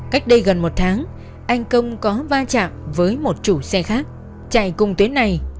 cách đây gần một tháng anh công có va chạm với một chủ xe khác chạy cùng tuyến này